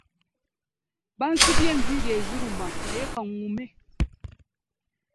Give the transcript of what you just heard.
Bansibye enviiri eziruma naye kangume.